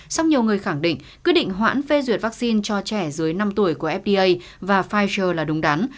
song nhiều người khẳng định quyết định hoãn phê duyệt vaccine cho trẻ dưới năm tuổi của fda và pfizer là đúng đắn